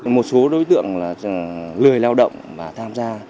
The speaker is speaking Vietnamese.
một số đối tượng là lười lao động và tham gia